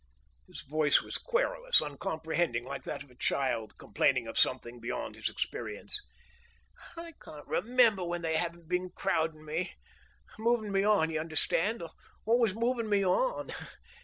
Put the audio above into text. His voice was querulous, uncomprehending, like that of a child complaining of something beyond his experience. "I can't remember when they haven't been crowdin' me. Movin' me on, you understand? Always movin' me on.